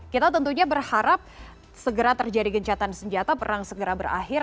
kita tentunya berharap segera terjadi gencatan senjata perang segera berakhir